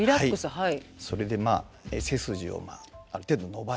はい。